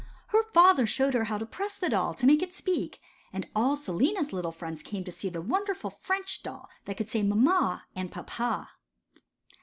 Her father showed her how to press the doll to make it speak, and all Selina's little friends came to see the wonderful French doll that could say 'Mamma' and 'Papa.